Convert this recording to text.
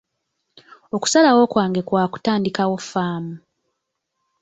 Okusalawo kwange kwa kutandikawo ffaamu.